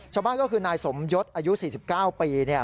ชาวบ้านก็คือนายสมยศอายุ๔๙ปี